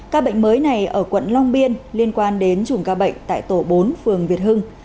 các bệnh mới này ở quận long biên liên quan đến chùm ca bệnh tại tổ bốn phường việt hưng